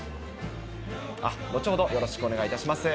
後ほどよろしくお願いいたします。